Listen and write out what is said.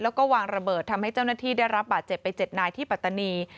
แล้วก็วางระเบิดทำให้เจ้าหน้าที่ได้รับบาดเจ็บไป๗นายที่ปัตตานี